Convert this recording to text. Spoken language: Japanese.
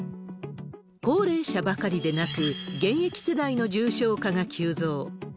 高齢者ばかりでなく、現役世代の重症化が急増。